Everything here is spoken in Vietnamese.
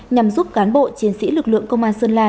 nhằm giúp cán bộ chiến sĩ lực lượng công an sơn la